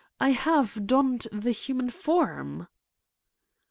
I have donned the human form